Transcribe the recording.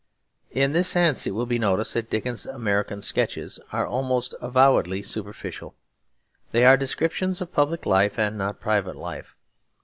In this sense it will be noticed that Dickens's American sketches are almost avowedly superficial; they are descriptions of public life and not private life.